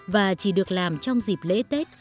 và chỉ được làm trong dịp lễ tết